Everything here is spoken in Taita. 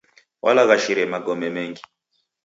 Walaghashire magome mengi.